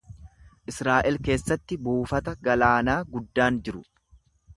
Israa’el keessatti buufata galaanaa guddaan jiru.